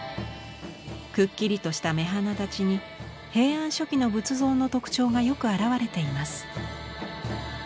くっきりとした目鼻立ちに平安初期の仏像の特徴がよく表れています。